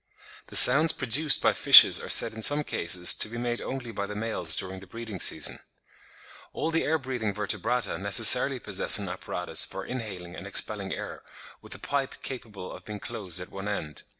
The sounds produced by fishes are said in some cases to be made only by the males during the breeding season. All the air breathing Vertebrata necessarily possess an apparatus for inhaling and expelling air, with a pipe capable of being closed at one end.